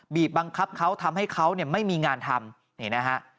บีบบังคับเขาทำให้เขาไม่มีงานทำ